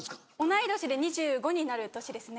同い年で２５になる年ですね。